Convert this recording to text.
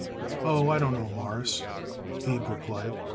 "Oh, I don't know, Mawruss," Abe replied.